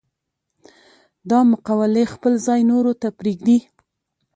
دا مقولې خپل ځای نورو ته پرېږدي.